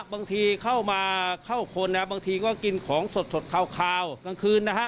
บางทีเข้ามาเข้าคนบางทีก็กินของสดคาวกลางคืนนะฮะ